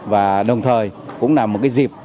và đồng thời cũng là một dịp để chúng ta